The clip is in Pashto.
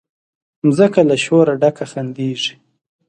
مځکه له شوره ډکه خندیږي